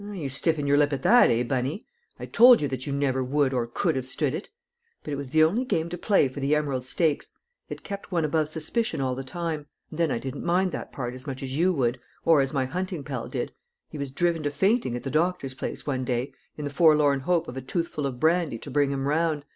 You stiffen your lip at that, eh, Bunny? I told you that you never would or could have stood it; but it was the only game to play for the Emerald Stakes. It kept one above suspicion all the time. And then I didn't mind that part as much as you would, or as my hunting pal did; he was driven to fainting at the doctor's place one day, in the forlorn hope of a toothful of brandy to bring him round.